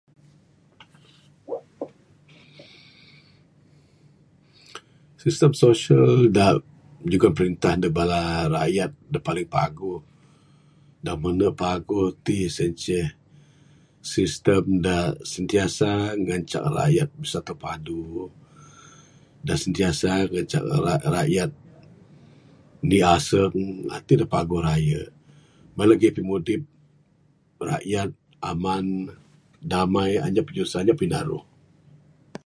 Sistem social da jugon perintah neg bala rakyat da paling paguh. Da mene paguh ti sien ceh sistem da sentiasa ngancak rakyat bersatu padu, da sentiasa ngancak rakyat Indi aseng. Ti da paguh rayek, bayuh lagi pimudip rakyat aman damai anyap pinyusah, anyap pinaruh.